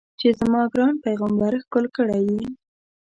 چې زما ګران پیغمبر ښکل کړی یې.